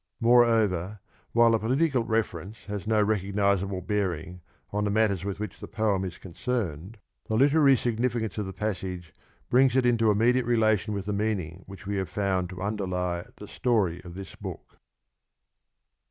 More over, while the political reference has no recognisable bearing on the matters with which the poem is concerned, the literary significance of the passage brings it into immediate relation with the meaning which we have found to underlie the story of this book.